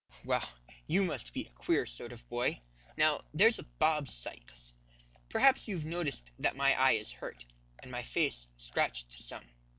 "Well, you must be a queer sort of a boy! Now, there's Bob Sykes, perhaps you've noticed that my eye is hurt, and my face scratched some.